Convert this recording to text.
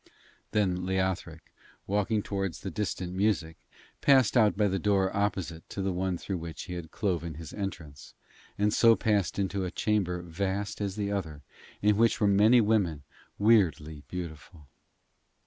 Then Leothric, walking towards the distant music, passed out by the door opposite to the one through which he had cloven his entrance, and so passed into a chamber vast as the other, in which were many women, weirdly beautiful.